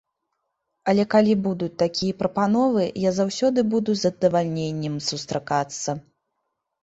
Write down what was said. Але калі будуць такія прапановы, я заўсёды буду з задавальненнем сустракацца.